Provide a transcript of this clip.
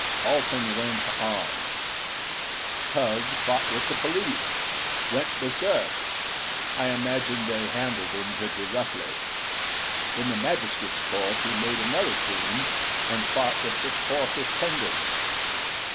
Alten went on: "Tugh fought with the police. Went berserk. I imagine they handled him pretty roughly. In the Magistrate's Court he made another scene, and fought with the court attendants.